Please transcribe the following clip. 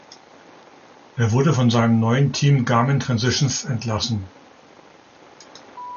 Er wurde von seinem neuen Team Garmin-Transitions entlassen.